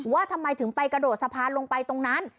ว่าทำไมถึงไปกระโดดสะพานลงไปตรงนั้น